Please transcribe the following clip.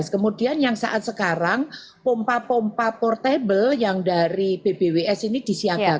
kemudian yang saat sekarang pompa pompa portable yang dari bbws ini disiagakan